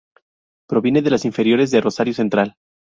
Proviene de las inferiores de Rosario Central.